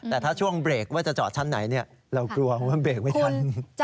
แต่ถ้าช่วงเบรกว่าจะจอดชั้นไหนเรากลัวว่าเบรกไม่ทัน